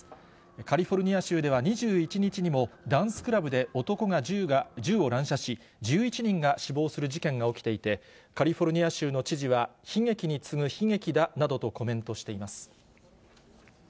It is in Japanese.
カリフォルニア州では２１日にも、ダンスクラブで男が銃を乱射し、１１人が死亡する事件が起きていて、カリフォルニア州の知事は、悲劇に次ぐ悲劇だなどとコメントしています。